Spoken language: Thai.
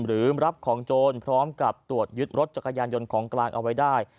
หรือรับของโจรพร้อมกับตรวจยึดรถจักรยานยนต์ของกลางเอาไว้ได้